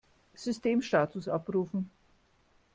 Systemstatus abrufen!